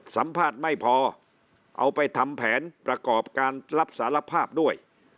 สัมภาษณ์ไม่พอเอาไปทำแผนประกอบการรับสารภาพด้วย